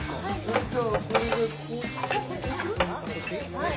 はい。